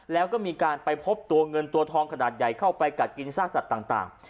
แล้วก็มีการไปพบตัวเงินตัวทองขนาดใหญ่เข้าไปกัดกินซากสัตว์ต่าง